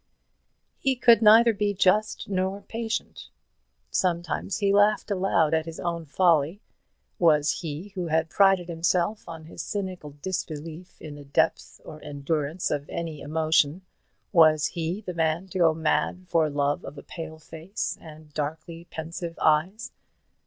He could neither be just nor patient. Sometimes he laughed aloud at his own folly. Was he, who had prided himself on his cynical disbelief in the depth or endurance of any emotion was he the man to go mad for love of a pale face, and darkly pensive eyes?